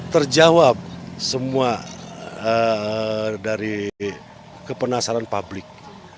terjawab semua dari kepenasalan publik